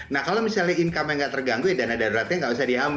nah kalau misalnya income nya nggak terganggu ya dana daruratnya nggak usah diambil